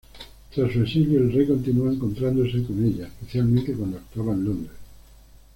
Tras su exilio, el rey continuo encontrándose con ella, especialmente cuando actuaba en Londres.